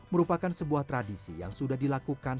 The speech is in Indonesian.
merupakan sebuah tradisi yang sudah dilakukan